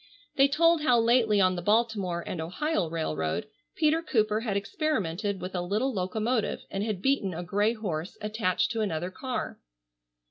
They told how lately on the Baltimore and Ohio railroad Peter Cooper had experimented with a little locomotive, and had beaten a gray horse attached to another car.